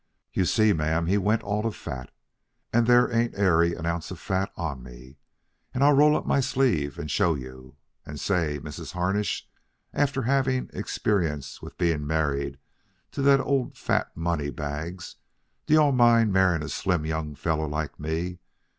You see, ma'am, he went all to fat. And there ain't ary ounce of fat on me.' And I'll roll up my sleeve and show you, and say, 'Mrs. Harnish, after having experience with being married to that old fat money bags, do you all mind marrying a slim young fellow like me?'